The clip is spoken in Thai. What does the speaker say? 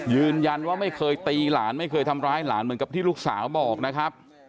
ยืนยันว่าไม่เคยตีหลานไม่เคยทำร้ายหลานเหมือนกับที่ลูกสาวบอกนะครับ